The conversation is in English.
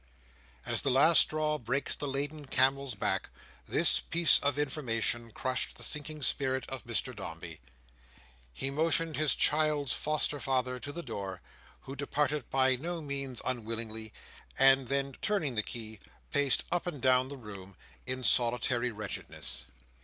As the last straw breaks the laden camel's back, this piece of information crushed the sinking spirits of Mr Dombey. He motioned his child's foster father to the door, who departed by no means unwillingly: and then turning the key, paced up and down the room in solitary wretchedness.